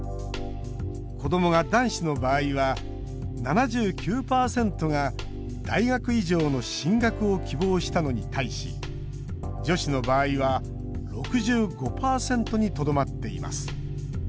子どもが男子の場合は７９％が大学以上の進学を希望したのに対し女子の場合は６５％にとどまっています。